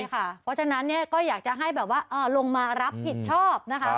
เพราะฉะนั้นก็อยากจะให้แบบว่าลงมารับผิดชอบนะคะ